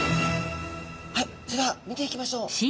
はいそれでは見ていきましょう。